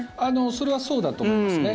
それはそうだと思いますね。